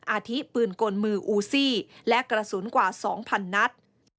อาทิปืนกลมืออูซี่และกระสุนกว่า๒๐๐๐นัด